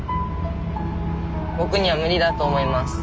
僕には無理だと思います。